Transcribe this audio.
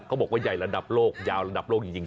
เขาบอกว่าใหญ่ระดับโลกยาวระดับโลกจริง